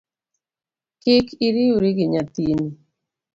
Kik iriwri gi nyathini